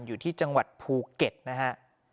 อยู่ที่จังหวัดภูเก็ตนะฮะ